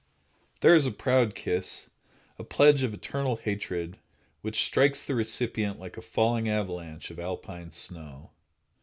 There is the proud kiss, a pledge of eternal hatred, which strikes the recipient like a falling avalanche of Alpine snow.